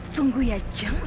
tunggu ya jeng